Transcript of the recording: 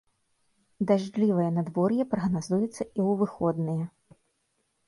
Дажджлівае надвор'е прагназуецца і ў выходныя.